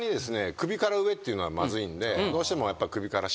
首から上っていうのはまずいんで。